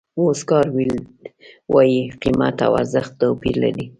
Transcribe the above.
اوسکار ویلډ وایي قیمت او ارزښت توپیر لري.